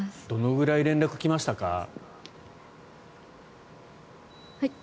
どのぐらい連絡来ましたか？